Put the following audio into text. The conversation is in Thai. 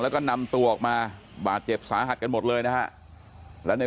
แล้วก็นำตัวออกมาบาดเจ็บสาหัสกันหมดเลยนะฮะแล้วใน